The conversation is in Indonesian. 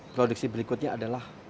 produksi berikutnya adalah